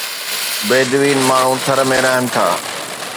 بيدوين ماڻهو ٿر ۾ رهن ٿا.